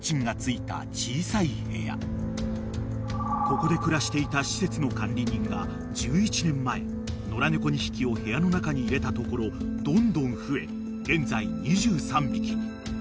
［ここで暮らしていた施設の管理人が１１年前野良猫２匹を部屋の中に入れたところどんどん増え現在２３匹に］